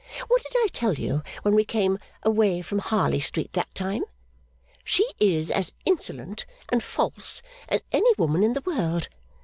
What did I tell you when we came away from Harley Street that time? She is as insolent and false as any woman in the world.